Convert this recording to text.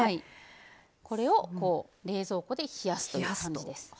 これを冷蔵庫で冷やすという感じです。